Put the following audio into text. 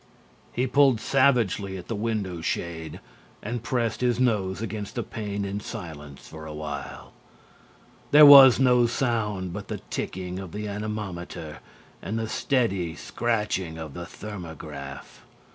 He pulled savagely at the window shade and pressed his nose against the pane in silence for a while. There was no sound but the ticking of the anemometer and the steady scratching of the thermograph.